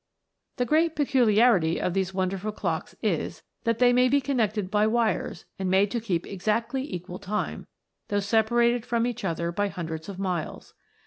27 The great peculiarity of these wonderful clocks s, that they may be connected by wires, and made o keep exactly equal time, though separated from sach other by hundreds of miles.